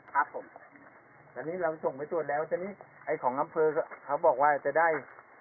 ครับผมตอนนี้เราส่งไปตรวจแล้วตอนนี้ไอ้ของอำเภอเขาบอกว่าจะได้